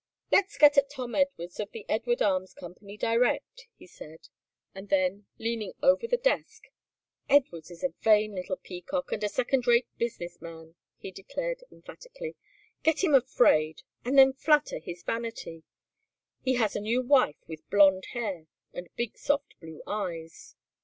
"Let's get at Tom Edwards of the Edward Arms Company direct," he said, and then, leaning over the desk, "Edwards is a vain little peacock and a second rate business man," he declared emphatically. "Get him afraid and then flatter his vanity. He has a new wife with blonde hair and big soft blue eyes.